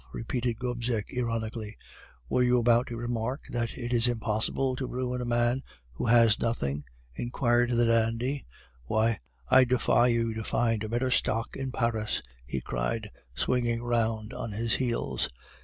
repeated Gobseck ironically. "'Were you about to remark that it is impossible to ruin a man who has nothing?' inquired the dandy. 'Why, I defy you to find a better stock in Paris!' he cried, swinging round on his heels.